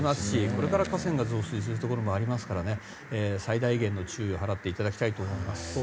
これから河川が増水するところもありますから最大限の注意を払っていただきたいと思います。